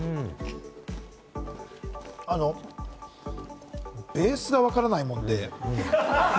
あのベースがわからないもので。